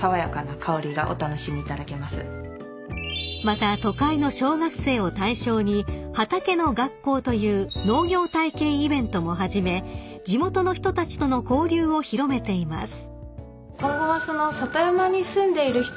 ［また都会の小学生を対象に畑のがっこうという農業体験イベントも始め地元の人たちとの交流を広めています］